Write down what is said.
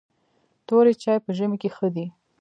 توري چای په ژمي کې ښه دي .